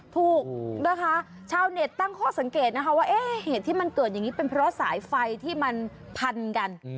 ถูกนะคะชาวเน็ตตั้งข้อสังเกตนะคะว่าเหตุที่มันเกิดอย่างนี้เป็นเพราะสายไฟที่มันพันกัน